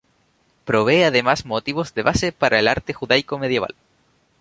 Provee además motivos de base para el arte judaico medieval.